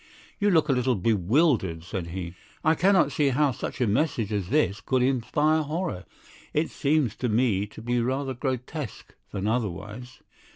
"You look a little bewildered," said he. "I cannot see how such a message as this could inspire horror. It seems to me to be rather grotesque than otherwise."